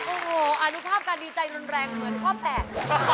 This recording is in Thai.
อู๋โหอนุภาพการดีใจแบบข้อแปด